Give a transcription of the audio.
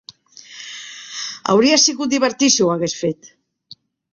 Hauria sigut divertit si ho hagués fet.